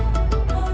nih aku tidur